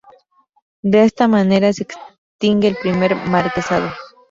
De esta manera se extingue el primer marquesado.